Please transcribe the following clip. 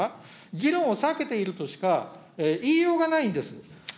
議論を避けているとしか言いようがないんです。